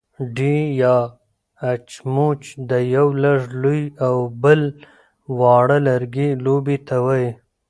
ډی يا اچموچ د يوۀ لږ لوی او بل واړۀ لرګي لوبې ته وايي.